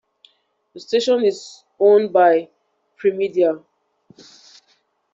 The station is owned by Primedia.